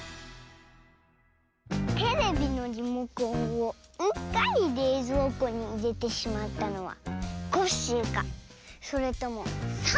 テレビのリモコンをうっかりれいぞうこにいれてしまったのはコッシーかそれともサボさんか。